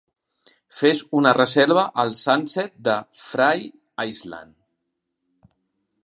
Fes una reserva al Sunset de Frye Island.